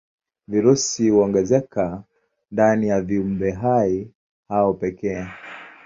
Virusi huongezeka ndani ya viumbehai hao pekee.